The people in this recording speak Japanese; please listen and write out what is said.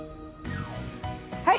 はい！